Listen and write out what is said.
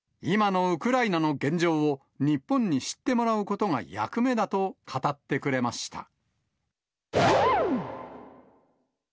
今のウクライナの現状を日本に知ってもらうことが役目だと語ってくれました。